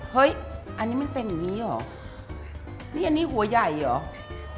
เห้ยอันนี้มันเป็นนี่หรอเนี่ยอันนี้หัวใหญ่หรอ